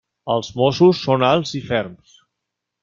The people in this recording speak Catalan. Els mossos són alts i ferms.